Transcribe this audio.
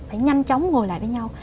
phải nhanh chóng ngồi lại với nhau